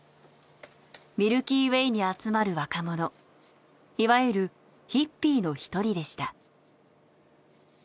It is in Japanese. ミルキーウェイに集まる若者いわゆるヒッピーの一人でした。